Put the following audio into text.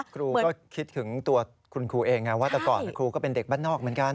ครูก็คิดถึงตัวคุณครูเองไงว่าแต่ก่อนครูก็เป็นเด็กบ้านนอกเหมือนกัน